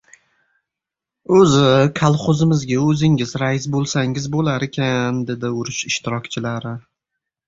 — O‘zi, kolxozimizga o‘zingiz rais bo‘lsangiz bo‘lar ekan! — dedi urush ishtirokchilari.